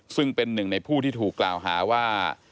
ซึ่งเป็นหนึ่งในผู้ที่ถูกกล่าวหาว่า